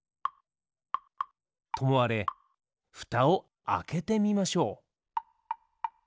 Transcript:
ともあれふたをあけてみましょう。